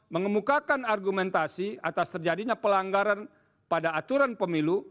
mengemukakan argumentasi atas terjadinya pelanggaran pada aturan pemilu